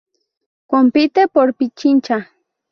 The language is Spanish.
Compite por Pichincha.